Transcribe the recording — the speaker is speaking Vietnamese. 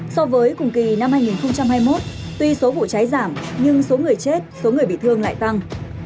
so với cùng kỳ năm hai nghìn hai mươi một tuy số vụ cháy giảm nhưng số người chết số người bị thương lại tăng